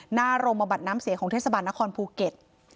หน้าโรงบัติน้ำเสียของเทศบาลนครภูเก็ต